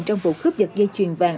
trong vụ cướp giật dây chuyền vàng